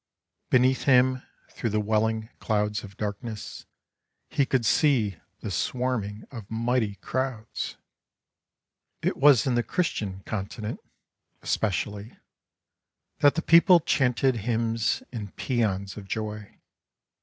Beneath Him Through the welling clouds of darkness He could see The swarming of mighty crowds. Corpse Day. It was in the Christian Continent, Especially, That the people chanted Hymns and paeans of joy.